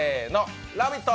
「ラヴィット！」